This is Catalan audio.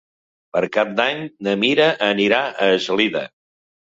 Per Cap d'Any na Mira anirà a Eslida.